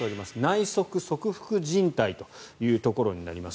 内側側副じん帯というところになります。